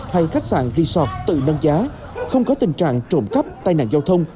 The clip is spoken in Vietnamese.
hay khách sạn resort tự nâng giá không có tình trạng trộm cắp tai nạn giao thông